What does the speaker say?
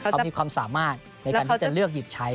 เขามีความสามารถในการที่จะเลือกหยิบใช้